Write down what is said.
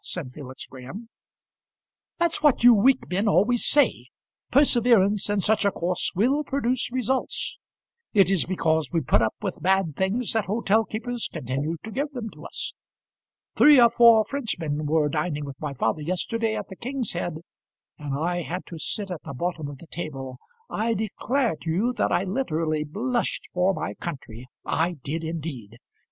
said Felix Graham. "That's what you weak men always say. Perseverance in such a course will produce results. It is because we put up with bad things that hotel keepers continue to give them to us. Three or four Frenchmen were dining with my father yesterday at the King's Head, and I had to sit at the bottom of the table. I declare to you that I literally blushed for my country; I did indeed.